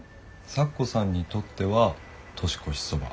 咲子さんにとっては年越しそば。